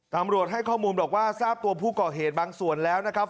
ตำรวจให้ข้อมูลบอกว่าทราบตัวผู้ก่อเหตุบางส่วนแล้วนะครับ